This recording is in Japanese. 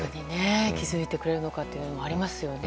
気づいてくれるのかっていうのもありますよね。